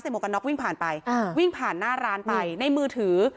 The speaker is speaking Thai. หวกกันน็อกวิ่งผ่านไปอ่าวิ่งผ่านหน้าร้านไปในมือถือ